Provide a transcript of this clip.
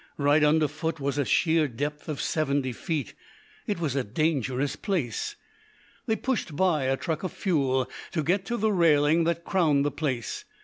Right under foot was a sheer depth of seventy feet. It was a dangerous place. They pushed by a truck of fuel to get to the railing that crowned the place.